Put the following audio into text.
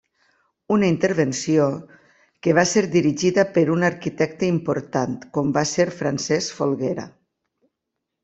Una intervenció, que va ser dirigida per un arquitecte important com va ser Francesc Folguera.